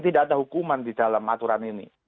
tidak ada hukuman di dalam aturan ini